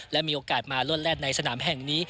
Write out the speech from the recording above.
และมีโอกาสมาลวดแล่นในสนามแห่งนี้